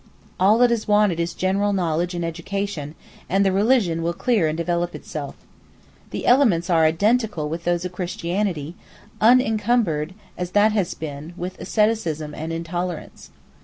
All that is wanted is general knowledge and education, and the religion will clear and develop itself. The elements are identical with those of Christianity, encumbered, as that has been, with asceticism and intolerance.